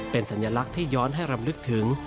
เป็นสัญลักษณ์ที่ย้อนให้รำลึกถึง